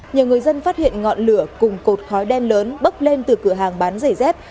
nhiều người dân phát hiện ngọn lửa cùng cột khói đen lớn bốc lên từ cửa hàng bán giày dép